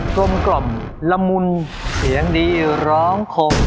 ลมกล่อมละมุนเสียงดีร้องคม